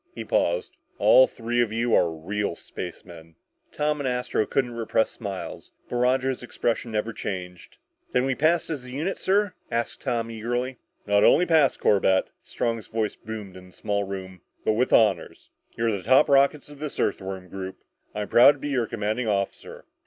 He paused. "All three of you are real spacemen!" Tom and Astro couldn't repress smiles, but Roger's expression never changed. "Then we passed as a unit, sir?" asked Tom eagerly. "Not only passed, Corbett" Strong's voice boomed in the small room "but with honors. You're the top rockets of this Earthworm group! I'm proud to be your commanding officer!"